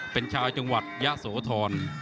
เป็นชาวจังหวัดยะโสธร